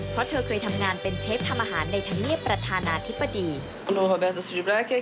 เพราะเธอเคยทำงานเป็นเชฟทำอาหารในธรรมเนียบประธานาธิบดี